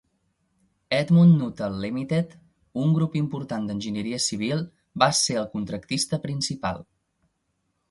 Edmund Nuttall Limited, un important grup d'enginyeria civil, va ser el contractista principal.